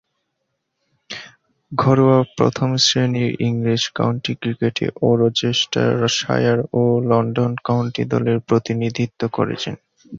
ঘরোয়া প্রথম-শ্রেণীর ইংরেজ কাউন্টি ক্রিকেটে ওরচেস্টারশায়ার ও লন্ডন কাউন্টি দলের প্রতিনিধিত্ব করেছেন।